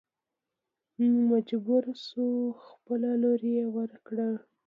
نو مجبور شو خپله لور يې ور کړه.